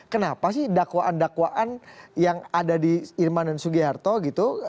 kenapa sih dakwaan dakwaan yang ada di irman dan sugiharto gitu